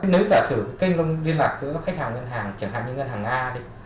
nếu giả sử kênh liên lạc giữa khách hàng ngân hàng chẳng hạn như ngân hàng a đi